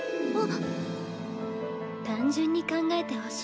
あっ。